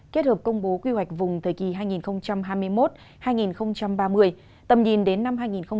kết hợp công bố quy hoạch vùng thời kỳ hai nghìn hai mươi một hai nghìn ba mươi tầm nhìn đến năm hai nghìn năm mươi